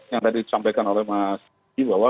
yang tadi disampaikan oleh mas di bahwa